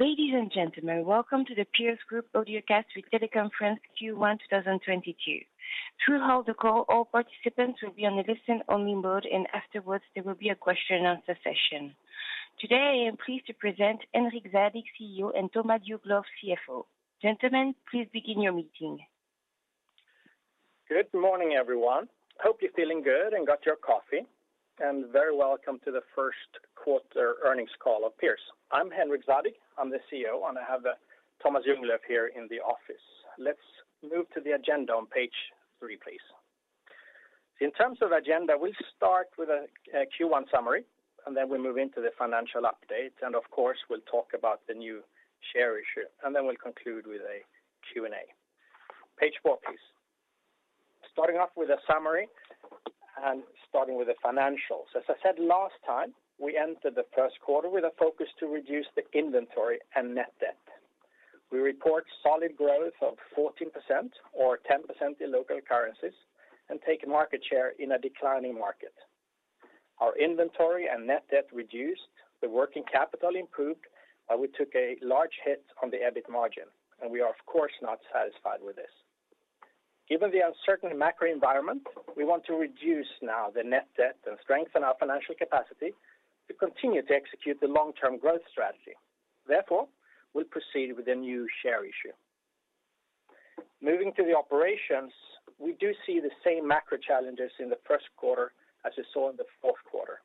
Ladies and gentlemen, welcome to the Pierce Group audio cast with teleconference Q1 2022. Throughout the call, all participants will be on a listen-only mode, and afterwards there will be a question and answer session. Today, I am pleased to present Henrik Zadig, CEO, and Tomas Ljunglöf, CFO. Gentlemen, please begin your meeting. Good morning, everyone. Hope you're feeling good and got your coffee, and very welcome to the first quarter earnings call of Pierce. I'm Henrik Zadig, I'm the CEO, and I have Tomas Ljunglöf here in the office. Let's move to the agenda on page three, please. In terms of agenda, we'll start with a Q1 summary, and then we move into the financial update. Of course, we'll talk about the new share issue, and then we'll conclude with a Q&A. Page four, please. Starting off with a summary and starting with the financials. As I said last time, we entered the first quarter with a focus to reduce the inventory and net debt. We report solid growth of 14% or 10% in local currencies and take market share in a declining market. Our inventory and net debt reduced, the working capital improved, but we took a large hit on the EBIT margin, and we are of course not satisfied with this. Given the uncertain macro environment, we want to reduce now the net debt and strengthen our financial capacity to continue to execute the long-term growth strategy. Therefore, we proceed with a new share issue. Moving to the operations, we do see the same macro challenges in the first quarter as we saw in the fourth quarter.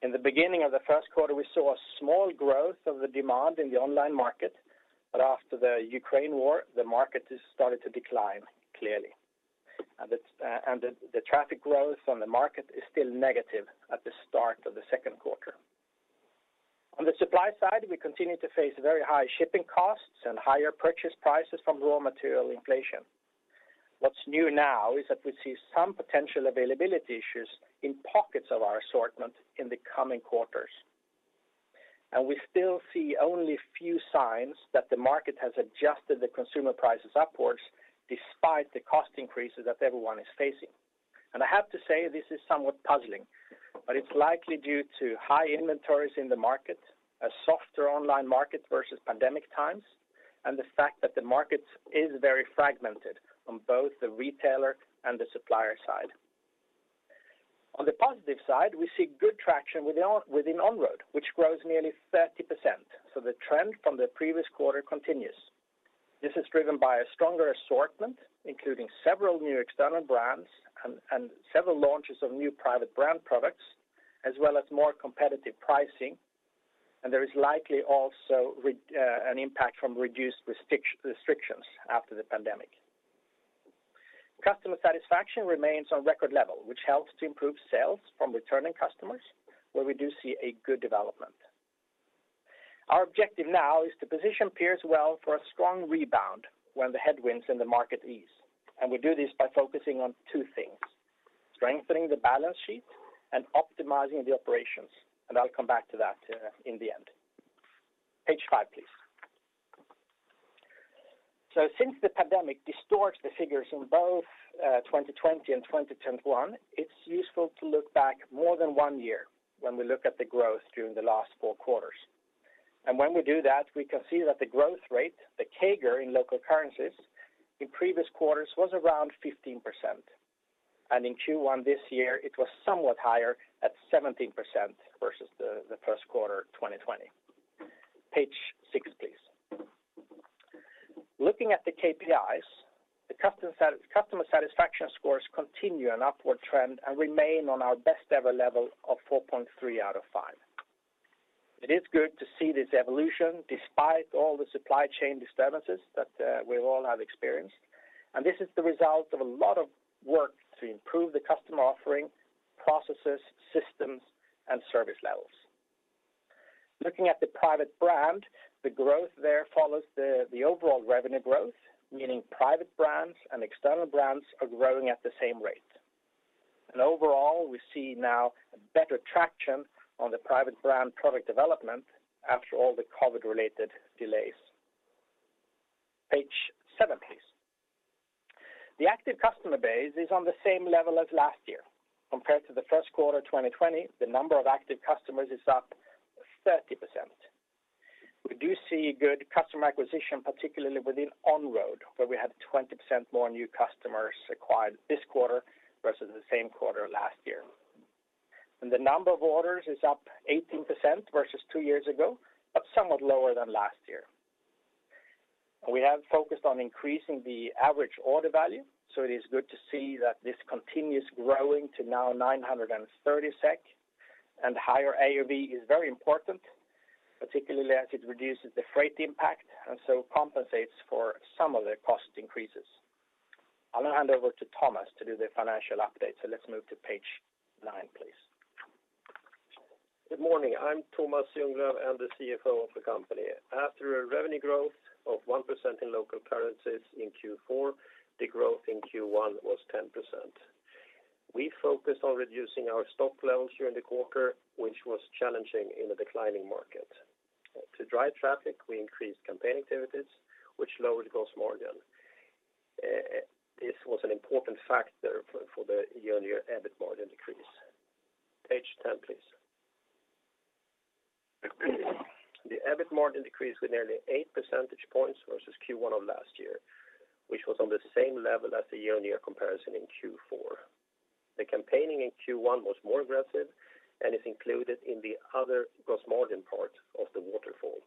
In the beginning of the first quarter, we saw a small growth of the demand in the online market, but after the Ukraine war, the market has started to decline clearly. The traffic growth on the market is still negative at the start of the second quarter. On the supply side, we continue to face very high shipping costs and higher purchase prices from raw material inflation. What's new now is that we see some potential availability issues in pockets of our assortment in the coming quarters. We still see only few signs that the market has adjusted the consumer prices upwards despite the cost increases that everyone is facing. I have to say this is somewhat puzzling, but it's likely due to high inventories in the market, a softer online market versus pandemic times, and the fact that the market is very fragmented on both the retailer and the supplier side. On the positive side, we see good traction within Onroad, which grows nearly 30%, so the trend from the previous quarter continues. This is driven by a stronger assortment, including several new external brands and several launches of new private brand products, as well as more competitive pricing. There is likely also an impact from reduced restrictions after the pandemic. Customer satisfaction remains on record level, which helps to improve sales from returning customers, where we do see a good development. Our objective now is to position Pierce well for a strong rebound when the headwinds in the market ease. We do this by focusing on two things, strengthening the balance sheet and optimizing the operations. I'll come back to that in the end. Page five, please. Since the pandemic distorts the figures in both 2020 and 2021, it's useful to look back more than one year when we look at the growth during the last four quarters. When we do that, we can see that the growth rate, the CAGR in local currencies in previous quarters was around 15%. In Q1 this year, it was somewhat higher at 17% versus the first quarter, 2020. Page six, please. Looking at the KPIs, the customer satisfaction scores continue an upward trend and remain on our best ever level of 4.3 out of 5. It is good to see this evolution despite all the supply chain disturbances that we all have experienced. This is the result of a lot of work to improve the customer offering, processes, systems, and service levels. Looking at the private brand, the growth there follows the overall revenue growth, meaning private brands and external brands are growing at the same rate. Overall, we see now a better traction on the private brand product development after all the COVID-related delays. Page seven, please. The active customer base is on the same level as last year. Compared to the first quarter, 2020, the number of active customers is up 30%. We do see good customer acquisition, particularly within Onroad, where we had 20% more new customers acquired this quarter versus the same quarter last year. The number of orders is up 18% versus two years ago, but somewhat lower than last year. We have focused on increasing the average order value, so it is good to see that this continues growing to now 930 SEK, and higher AOV is very important, particularly as it reduces the freight impact and so compensates for some of the cost increases. I'm gonna hand over to Tomas to do the financial update. Let's move to page nine, please. Good morning. I'm Tomas Ljunglöf. I'm the CFO of the company. After a revenue growth of 1% in local currencies in Q4, the growth in Q1 was 10%. We focused on reducing our stock levels during the quarter, which was challenging in a declining market. To drive traffic, we increased campaign activities, which lowered gross margin. This was an important factor for the year-on-year EBIT margin decrease. Page 10, please. The EBIT margin decreased with nearly 8 percentage points versus Q1 of last year, which was on the same level as the year-on-year comparison in Q4. The campaigning in Q1 was more aggressive and is included in the other gross margin part of the waterfall.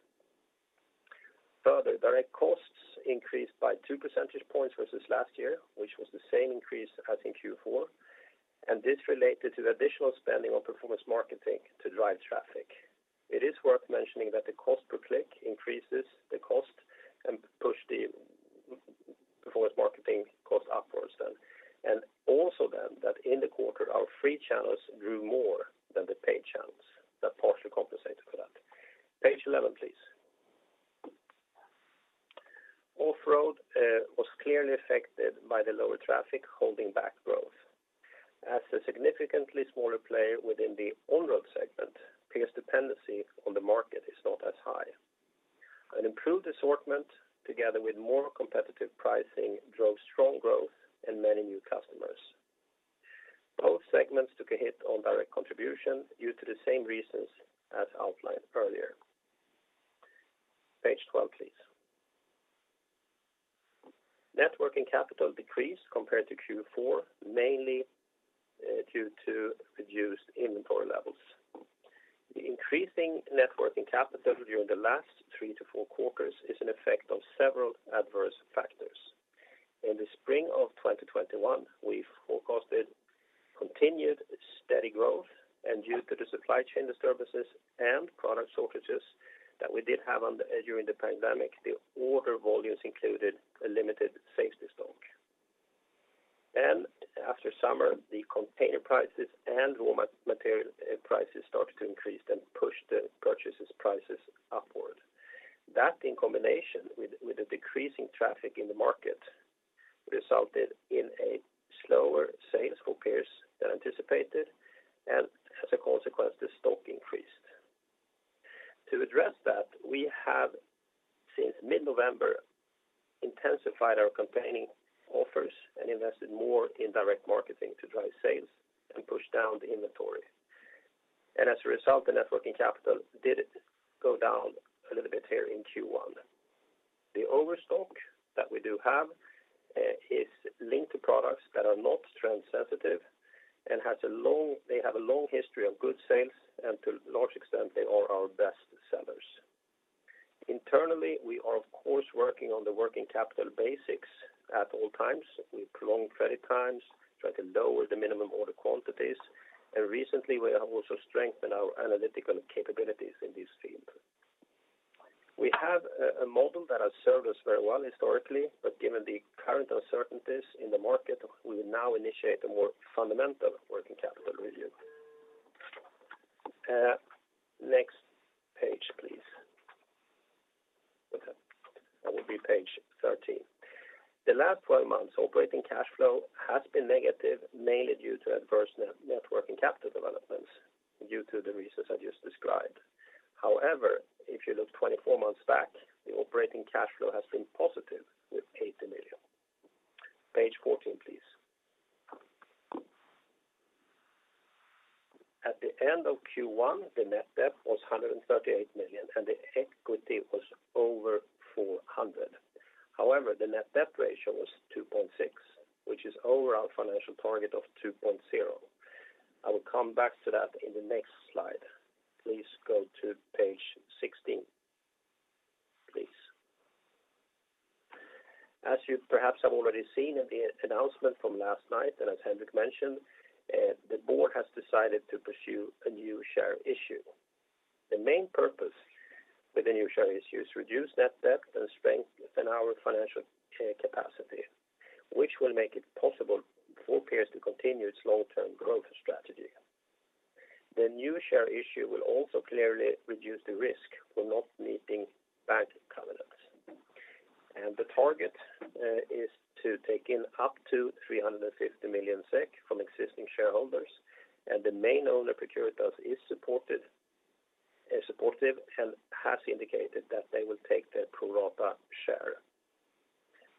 Further, direct costs increased by 2 percentage points versus last year, which was the same increase as in Q4, and this related to the additional spending on performance marketing to drive traffic. It is worth mentioning that the cost per click increases the cost and push the performance marketing cost upwards then. that in the quarter, our free channels grew more than the paid channels that partially compensated for that. Page eleven, please. Offroad was clearly affected by the lower traffic holding back growth. As a significantly smaller player within the Onroad segment, peers' dependency on the market is not as high. An improved assortment together with more competitive pricing drove strong growth in many new customers. Both segments took a hit on direct contribution due to the same reasons as outlined earlier. Page twelve, please. Net working capital decreased compared to Q4, mainly due to reduced inventory levels. The increasing net working capital during the last three to four quarters is an effect on several adverse factors. In the spring of 2021, we forecasted continued steady growth and due to the supply chain disturbances and product shortages that we did have during the pandemic, the order volumes included a limited safety stock. Then after summer, the container prices and raw material prices started to increase, then pushed the purchase prices upward. That in combination with the decreasing traffic in the market resulted in a slower sales for peers than anticipated, and as a consequence, the stock increased. To address that, we have, since mid-November, intensified our campaigning offers and invested more in direct marketing to drive sales and push down the inventory. As a result, the net working capital did go down a little bit here in Q1. The overstock that we do have is linked to products that are not trend sensitive and they have a long history of good sales, and to a large extent, they are our best sellers. Internally, we are, of course, working on the working capital basics at all times. We prolong credit times, try to lower the minimum order quantities, and recently we have also strengthened our analytical capabilities in this field. We have a model that has served us very well historically, but given the current uncertainties in the market, we now initiate a more fundamental working capital review. Next page, please. That will be page 13. The last 12 months, operating cash flow has been negative, mainly due to adverse net working capital developments due to the reasons I just described. However, if you look 24 months back, the operating cash flow has been positive with 80 million. Page 14, please. At the end of Q1, the net debt was 138 million, and the equity was over 400 million. However, the net debt ratio was 2.6, which is over our financial target of 2.0. I will come back to that in the next slide. Please go to page 16. As you perhaps have already seen in the announcement from last night, and as Henrik mentioned, the board has decided to pursue a new share issue. The main purpose with the new share issue is to reduce net debt and strengthen our financial capacity, which will make it possible for Pierce to continue its long-term growth strategy. The new share issue will also clearly reduce the risk for not meeting bank covenants. The target is to take in up to 350 million SEK from existing shareholders, and the main owner Procuritas is supportive and has indicated that they will take their pro rata share.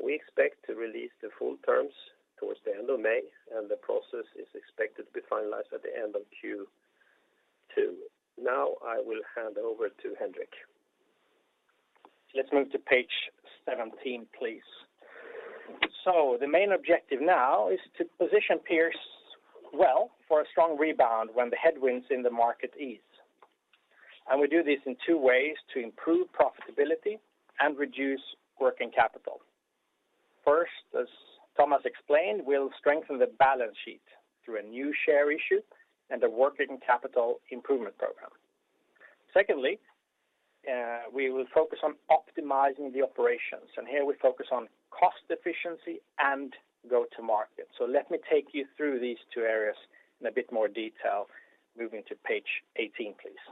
We expect to release the full terms towards the end of May, and the process is expected to be finalized at the end of Q2. Now, I will hand over to Henrik. Let's move to page 17, please. The main objective now is to position Pierce well for a strong rebound when the headwinds in the market ease. We do this in two ways: to improve profitability and reduce working capital. First, as Tomas explained, we'll strengthen the balance sheet through a new share issue and a working capital improvement program. Secondly, we will focus on optimizing the operations, and here we focus on cost efficiency and go to market. Let me take you through these two areas in a bit more detail, moving to page 18, please.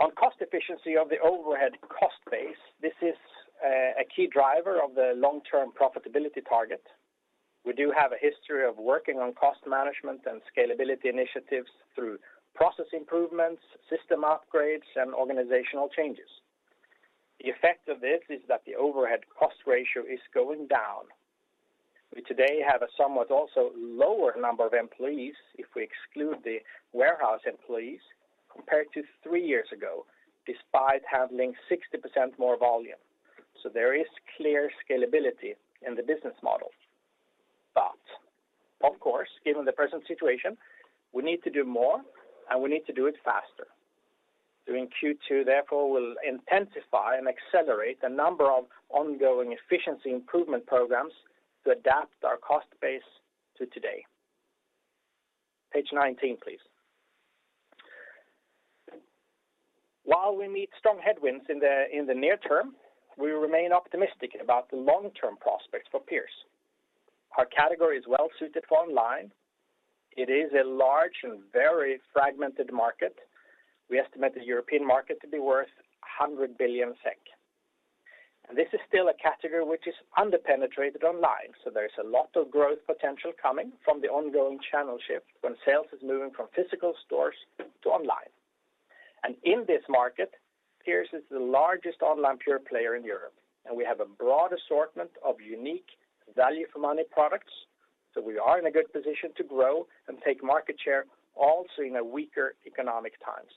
On cost efficiency of the overhead cost base, this is a key driver of the long-term profitability target. We do have a history of working on cost management and scalability initiatives through process improvements, system upgrades, and organizational changes. The effect of this is that the overhead cost ratio is going down. We today have a somewhat also lower number of employees if we exclude the warehouse employees compared to three years ago, despite handling 60% more volume. There is clear scalability in the business model. Of course, given the present situation, we need to do more, and we need to do it faster. During Q2, therefore, we'll intensify and accelerate the number of ongoing efficiency improvement programs to adapt our cost base to today. Page 19, please. While we meet strong headwinds in the near term, we remain optimistic about the long-term prospects for Pierce. Our category is well suited for online. It is a large and very fragmented market. We estimate the European market to be worth 100 billion SEK. This is still a category which is under-penetrated online. There's a lot of growth potential coming from the ongoing channel shift when sales is moving from physical stores to online. In this market, Pierce is the largest online pure player in Europe, and we have a broad assortment of unique value-for-money products, so we are in a good position to grow and take market share also in a weaker economic times.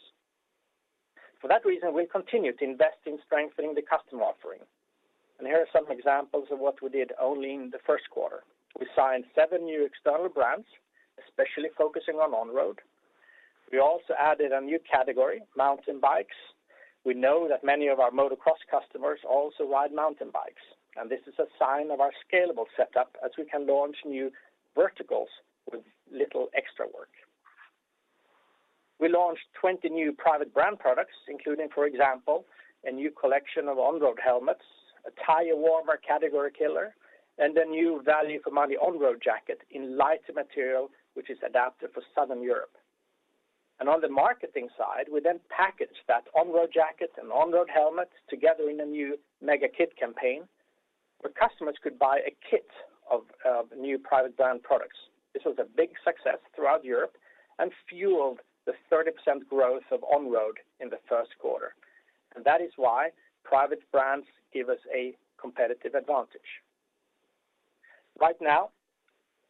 For that reason, we continue to invest in strengthening the customer offering. Here are some examples of what we did only in the first quarter. We signed seven new external brands, especially focusing on Onroad. We also added a new category, mountain bikes. We know that many of our motocross customers also ride mountain bikes, and this is a sign of our scalable setup as we can launch new verticals with little extra work. We launched 20 new private brand products, including, for example, a new collection of Onroad helmets, a tire warmer category killer, and a new value-for-money Onroad jacket in lighter material, which is adapted for Southern Europe. On the marketing side, we then packaged that Onroad jacket and Onroad helmet together in a new mega kit campaign where customers could buy a kit of new private brand products. This was a big success throughout Europe and fueled the 30% growth of Onroad in the first quarter. That is why private brands give us a competitive advantage. Right now,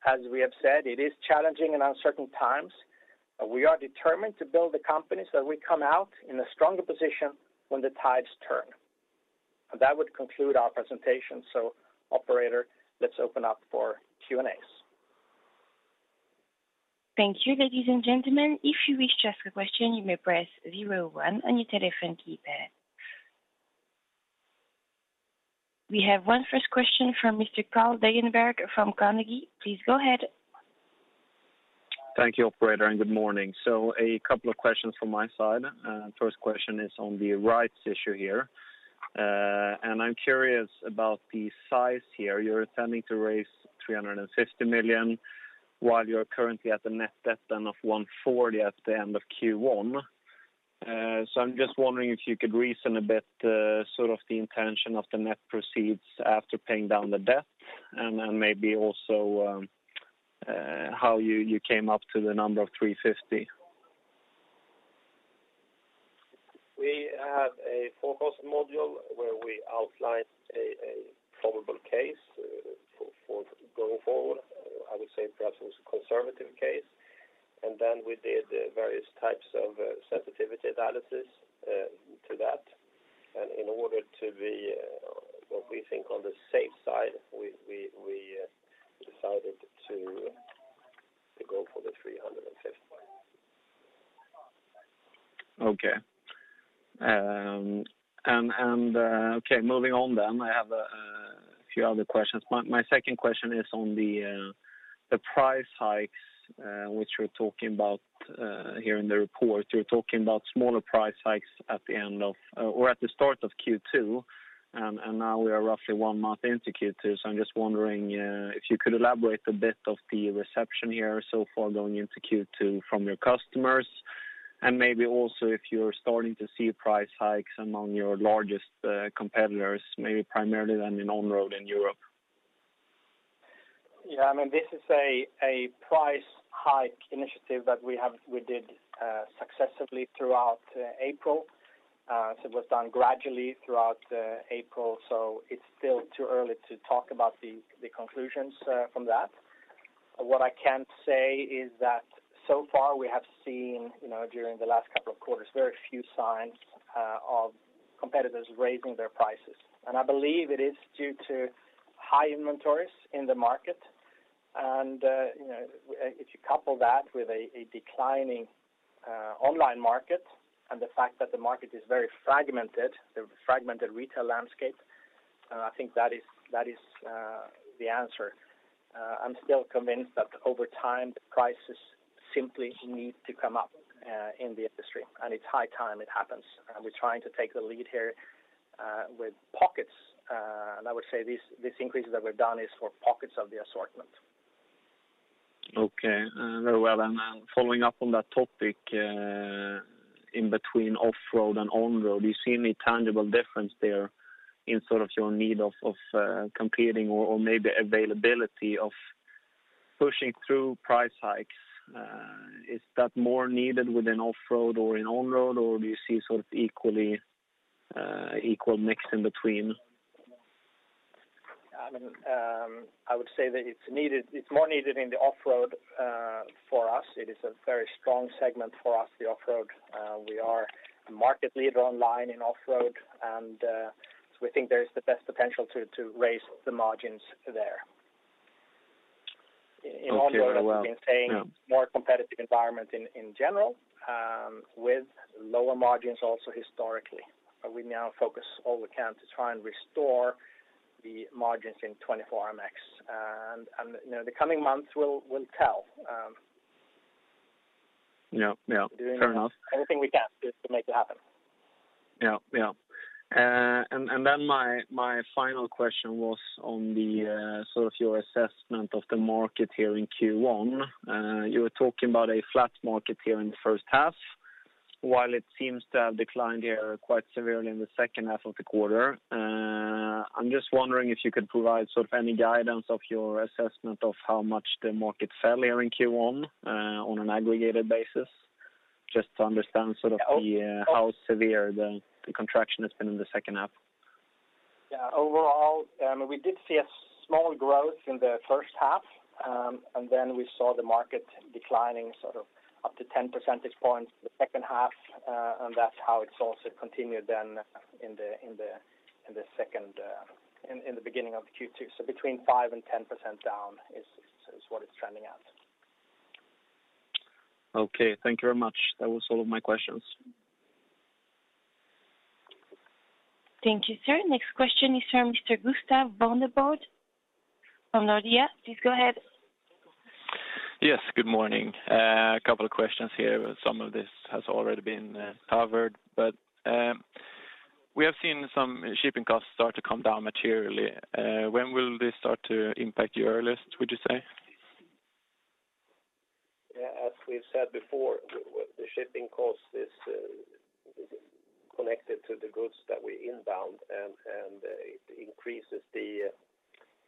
as we have said, it is challenging and uncertain times, but we are determined to build the company so we come out in a stronger position when the tides turn. That would conclude our presentation. Operator, let's open up for Q&As. Thank you, ladies and gentlemen. If you wish to ask a question, you may press zero one on your telephone keypad. We have our first question from Mr. Carl Deijenberg from Carnegie. Please go ahead. Thank you, operator, and good morning. A couple of questions from my side. First question is on the rights issue here. I'm curious about the size here. You're intending to raise 350 million, while you're currently at a net debt of 140 million at the end of Q1. I'm just wondering if you could reason a bit, sort of the intention of the net proceeds after paying down the debt, and then maybe also, how you came up to the number of 350. We had a forecast module where we outlined a probable case for going forward. I would say perhaps it was a conservative case. We did various types of sensitivity analysis to that. In order to be what we think on the safe side, we decided to go for SEK 350. Okay, moving on, I have a few other questions. My second question is on the price hikes which you're talking about here in the report. You're talking about smaller price hikes at the end of, or at the start of Q2, and now we are roughly one month into Q2. I'm just wondering if you could elaborate a bit on the reception here so far going into Q2 from your customers, and maybe also if you're starting to see price hikes among your largest competitors, maybe primarily then in Onroad in Europe. I mean, this is a price hike initiative that we did successively throughout April. So it was done gradually throughout April, so it's still too early to talk about the conclusions from that. What I can say is that so far we have seen, you know, during the last couple of quarters, very few signs of competitors raising their prices. I believe it is due to high inventories in the market. You know, if you couple that with a declining online market and the fact that the market is very fragmented, the fragmented retail landscape, I think that is the answer. I'm still convinced that over time, the prices simply need to come up in the industry, and it's high time it happens. We're trying to take the lead here with pockets. I would say these increases that we've done is for pockets of the assortment. Okay. Very well. Following up on that topic, in between Offroad and Onroad, do you see any tangible difference there in sort of your need of competing or maybe availability of pushing through price hikes? Is that more needed within Offroad or in Onroad or do you see sort of equal mix in between? I mean, I would say that it's more needed in the Offroad, for us it is a very strong segment, the Offroad. We are a market leader online in Offroad and, so we think there is the best potential to raise the margins there. Okay. Well In Onroad, as we've been saying. Yeah. More competitive environment in general with lower margins also historically. We now focus all we can to try and restore the margins in 24MX and you know the coming months will tell. Yeah, yeah. Fair enough. Doing anything we can just to make it happen. Yeah, yeah. Then my final question was on the sort of your assessment of the market here in Q1. You were talking about a flat market here in the first half, while it seems to have declined here quite severely in the second half of the quarter. I'm just wondering if you could provide sort of any guidance of your assessment of how much the market fell here in Q1, on an aggregated basis, just to understand sort of the. Oh. How severe the contraction has been in the second half? Yeah. Overall, we did see a small growth in the first half, and then we saw the market declining sort of up to 10 percentage points the second half, and that's how it's also continued then in the beginning of Q2. Between 5% and 10% down is what it's trending at. Okay. Thank you very much. That was all of my questions. Thank you, sir. Next question is from Mr. Gustav Berneblad from Nordea. Please go ahead. Yes, good morning. A couple of questions here. Some of this has already been covered, but we have seen some shipping costs start to come down materially. When will this start to impact you earliest, would you say? Yeah. As we've said before, the shipping cost is connected to the goods that we inbound and it increases the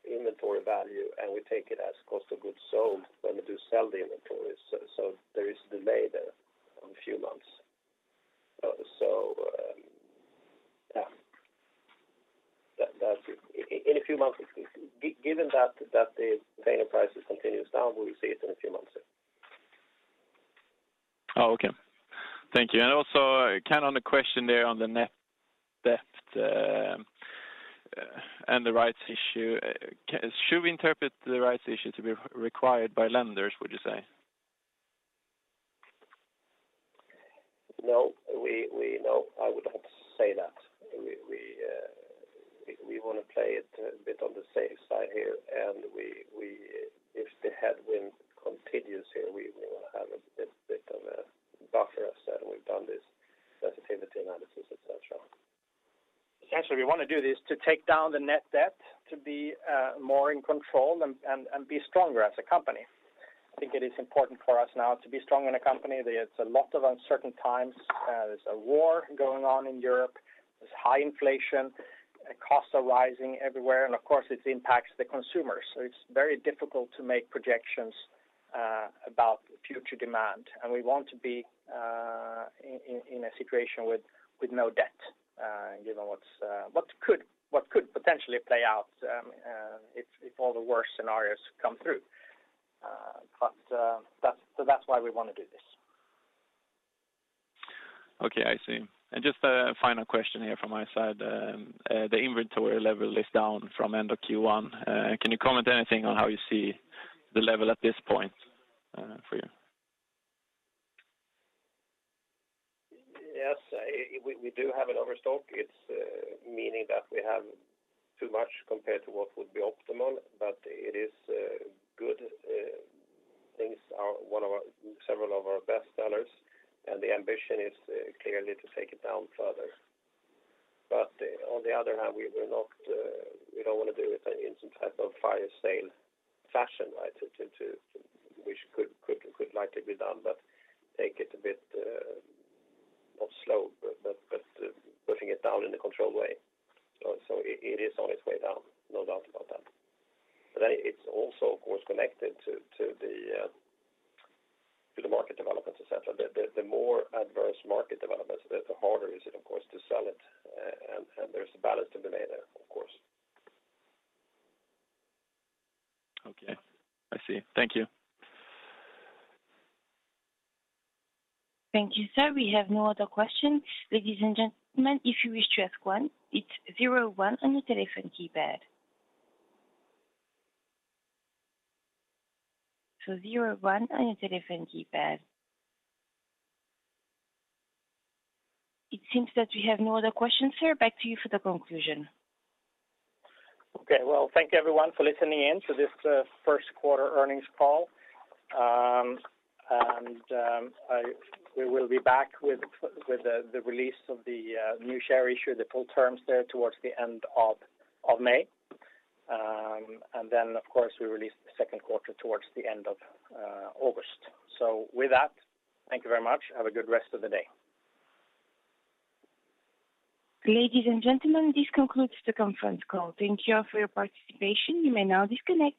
inventory value, and we take it as cost of goods sold when we do sell the inventory. There is a delay there of a few months. Yeah. That's it. In a few months it's given that the container prices continues down, we will see it in a few months then. Okay. Thank you. Also, kind of on a question there on the net debt and the rights issue. Should we interpret the rights issue to be required by lenders, would you say? No, I would not say that. We want to play it a bit on the safe side here. If the headwind continues here, we will have a bit of a buffer. As said, we've done this sensitivity analysis, et cetera. Essentially, we want to do this to take down the net debt to be more in control and be stronger as a company. I think it is important for us now to be strong in a company. There's a lot of uncertain times. There's a war going on in Europe, there's high inflation, costs are rising everywhere, and of course, it impacts the consumers. It's very difficult to make projections about future demand. We want to be in a situation with no debt given what could potentially play out if all the worst scenarios come through. That's why we want to do this. Okay, I see. Just a final question here from my side. The inventory level is down from end of Q1. Can you comment anything on how you see the level at this point, for you? Yes. We do have an overstock. It's, meaning that we have too much compared to what would be optimal, but it is good. Things are several of our best sellers, and the ambition is clearly to take it down further. On the other hand, we don't want to do it in any type of fire sale fashion, right? Which could likely be done, but take it a bit not slow, but pushing it down in a controlled way. It is on its way down, no doubt about that. It's also of course connected to the market developments, et cetera. The more adverse market developments, the harder it is of course to sell it, and there's a balance to be made there, of course. Okay, I see. Thank you. Thank you, sir. We have no other questions. Ladies and gentlemen, if you wish to ask one, it's zero one on your telephone keypad. Zero one on your telephone keypad. It seems that we have no other questions, sir. Back to you for the conclusion. Okay. Well, thank you everyone for listening in to this first quarter earnings call. We will be back with the release of the new share issue, the full terms there towards the end of May. Of course, we release the second quarter towards the end of August. With that, thank you very much. Have a good rest of the day. Ladies and gentlemen, this concludes the conference call. Thank you for your participation. You may now disconnect.